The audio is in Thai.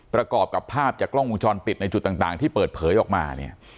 ประกอบกับภาพจากกล้องวงจรปิดในจุดต่างที่เปิดเผยออกมาเนี่ย